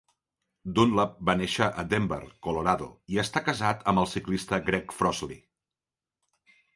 Dunlap va néixer a Denver, Colorado, i està casat amb el ciclista Greg Frozley.